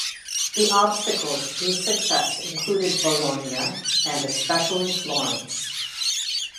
The obstacles to his success included Bologna and especially Florence.